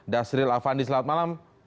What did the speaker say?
dasril avandi selamat malam